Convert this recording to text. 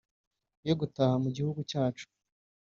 yo gutaha mu gihugu cyacu